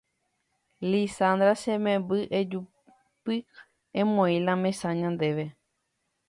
¡Lizandra! che memby ejúpy emoĩ la mesa ñandéve.